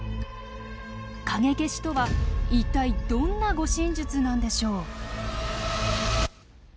影消しとは一体どんな護身術なんでしょう。